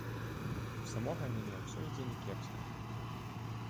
У самога мяне ўсё ідзе някепска.